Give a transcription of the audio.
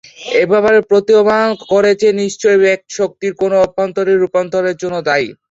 এ ব্যাপারটি প্রতীয়মান করে যে নিশ্চয়ই শক্তির কোনো অভ্যন্তরীণ রূপান্তর এর জন্য দায়ী।